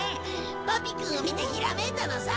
パピくんを見てひらめいたのさ。